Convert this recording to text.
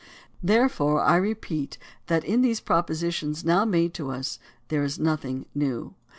Therefore I repeat that in these proposi tions now made to us there is nothing new.